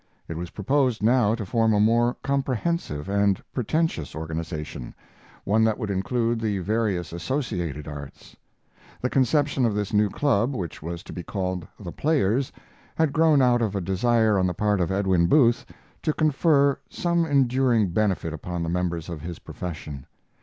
It was proposed now to form a more comprehensive and pretentious organization one that would include the various associated arts. The conception of this new club, which was to be called The Players, had grown out of a desire on the part of Edwin Booth to confer some enduring benefit upon the members of his profession.